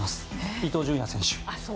伊東純也選手。